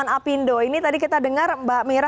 ini tadi kita dengar mbak mira ini tadi kita dengar mbak mira